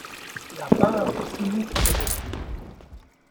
La bave sinistre des flots ;